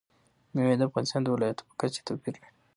مېوې د افغانستان د ولایاتو په کچه توپیر لري.